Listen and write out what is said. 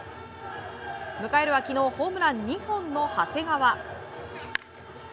迎えるは昨日ホームラン２本の長谷川。